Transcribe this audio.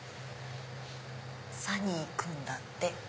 「サニーくん」だって！